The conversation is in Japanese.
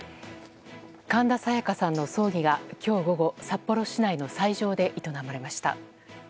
神田沙也加さんの葬儀が今日午後札幌市内の斎場で営まれました。